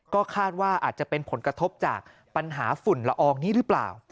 ก็คาดว่าอาจจะเป็นผลกระทบจากปัญหาฝุ่นละอองนี้หรือเปล่า